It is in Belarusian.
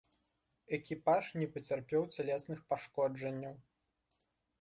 Экіпаж не пацярпеў цялесных пашкоджанняў.